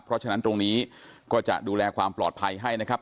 เพราะฉะนั้นตรงนี้ก็จะดูแลความปลอดภัยให้นะครับ